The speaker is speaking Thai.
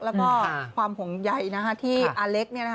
แล้วก็ความห่วงใยที่อาเล็ก